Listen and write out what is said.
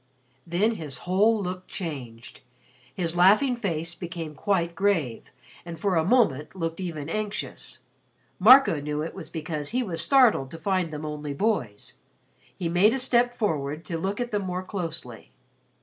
'" Then his whole look changed. His laughing face became quite grave and for a moment looked even anxious. Marco knew it was because he was startled to find them only boys. He made a step forward to look at them more closely.